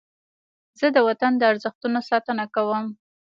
زه د وطن د ارزښتونو ساتنه کوم.